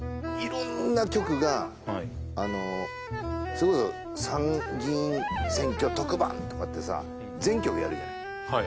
色んな局があのそれこそ「参議院選挙特番」とかってさ全局やるじゃないはい